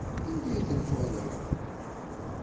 Anda ay tent-twalaḍ?